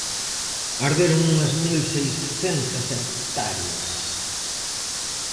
Arderon unhas mil seiscentas hectáreas.